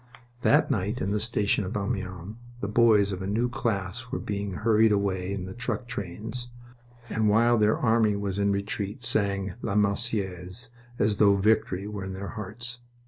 That night in the station of Amiens the boys of a new class were being hurried away in truck trains, and while their army was in retreat sang "La Marseillaise," as though victory were in their hearts.